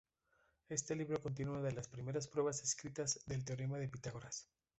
Este libro contiene una de las primeras pruebas escritas del Teorema de Pitágoras.